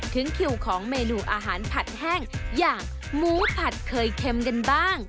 ถึงคิวของเมนูอาหารผัดแห้งอย่างหมูผัดเคยเค็มกันบ้าง